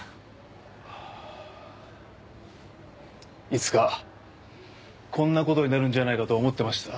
いつかこんな事になるんじゃないかと思ってました。